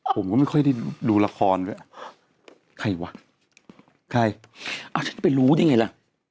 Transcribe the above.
ผมก็ไม่ค่อยได้ดูละครด้วยใครวะใครเอาฉันไปรู้ได้ไงล่ะ